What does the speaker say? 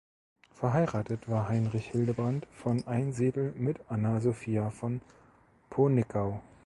Verheiratet war Heinrich Hildebrand von Einsiedel mit "Anna Sophia von Ponickau".